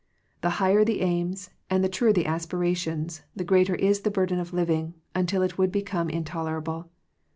The higher the aims, and the truer the aspirations, the greater is the burden of living, until it would become intolerable.